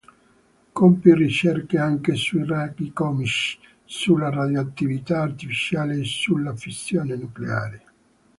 Compì ricerche anche sui raggi cosmici, sulla radioattività artificiale e sulla fissione nucleare.